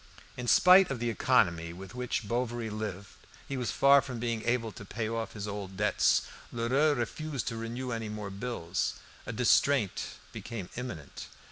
In spite of the economy with which Bovary lived, he was far from being able to pay off his old debts. Lheureux refused to renew any more bills. A distraint became imminent.